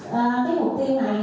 cái mục tiêu này